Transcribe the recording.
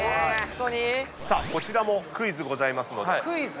さあこちらもクイズございますので。